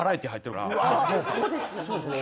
そうですね。